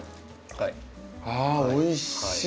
あおいしい。